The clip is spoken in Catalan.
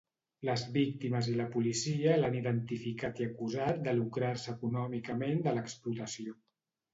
Les víctimes i la policia l'han identificat i acusat de lucrar-se econòmicament de l'explotació.